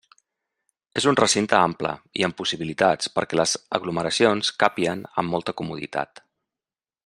És un recinte ample, i amb possibilitats perquè les aglomeracions càpien amb molta comoditat.